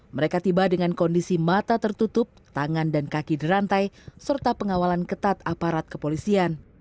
mereka tiba dengan kondisi mata tertutup tangan dan kaki dirantai serta pengawalan ketat aparat kepolisian